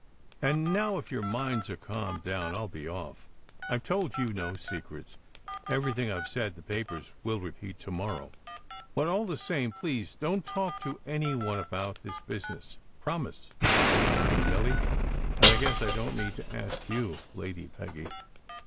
And now, if your minds are calmed down, I ll be off. I ve told you no secrets. Everything I ve said the papers will repeat to morrow. But all the same, please don t talk to any one about this business. Promise, mater, and Milly. And I guess I don t need to ask you, Lady Peggy.